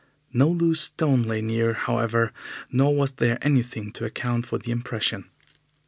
No loose stone lay near, however, nor was there anything to account for the impression.